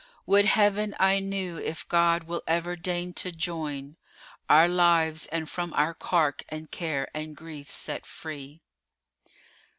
Would Heaven I knew if God will ever deign to join * Our lives, and from our cark and care and grief set free!"